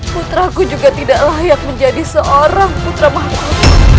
putra ku juga tidak layak menjadi seorang putra maha maha